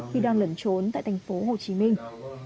khi đang lẩn trốn tại thành phố hồ chí minh